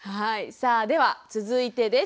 さあでは続いてです。